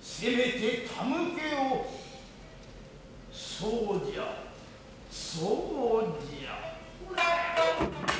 せめて手向けを、そうじゃ、そうじゃ。